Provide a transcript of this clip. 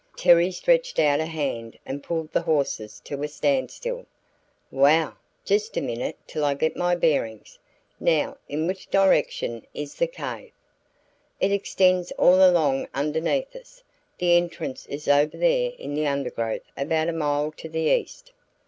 Terry stretched out a hand and pulled the horses to a standstill. "Whoa, just a minute till I get my bearings. Now, in which direction is the cave?" "It extends all along underneath us. The entrance is over there in the undergrowth about a mile to the east."